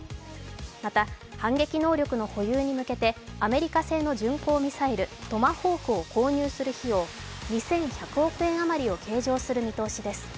また反撃能力の保有に向けてアメリカ製の巡航ミサイル、トマホークを購入する費用２１００億円余りを計上する見込みです。